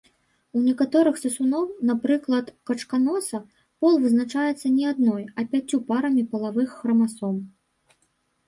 У некаторых сысуноў, напрыклад, качканоса, пол вызначаецца не адной, а пяццю парамі палавых храмасом.